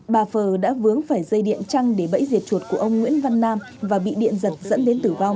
bà phờ đã vướng phải dây điện trăng để bẫy diệt chuột của ông nguyễn văn nam và bị điện giật dẫn đến tử vong